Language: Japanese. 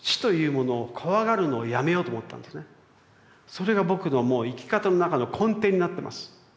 それが僕のもう生き方の中の根底になってます。